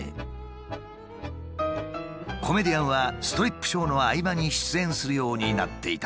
コメディアンはストリップショーの合間に出演するようになっていた。